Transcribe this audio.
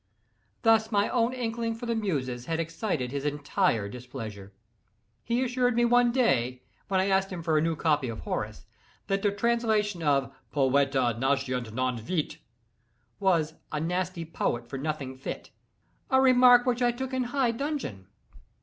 Thus my own inkling for the Muses had excited his entire displeasure. He assured me one day, when I asked him for a new copy of Horace, that the translation of "Poeta nascitur non fit" was "a nasty poet for nothing fit"—a remark which I took in high dudgeon.